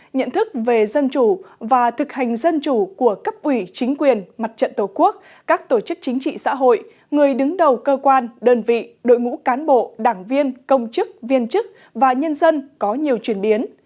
nhận thức về dân chủ và thực hành dân chủ của cấp ủy chính quyền mặt trận tổ quốc các tổ chức chính trị xã hội người đứng đầu cơ quan đơn vị đội ngũ cán bộ đảng viên công chức viên chức và nhân dân có nhiều chuyển biến